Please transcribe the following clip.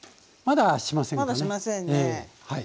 まだしませんね。